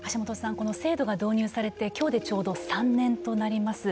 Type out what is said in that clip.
この制度が導入されてきょうで、ちょうど３年となります。